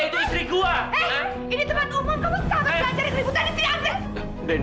ini teman umum kamu salah belajar